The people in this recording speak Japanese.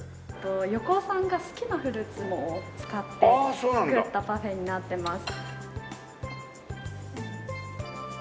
横尾さんが好きなフルーツを使って作ったパフェになっています。